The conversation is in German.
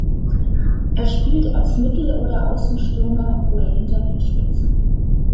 Er spielt als Mittel- oder Außenstürmer oder hinter den Spitzen.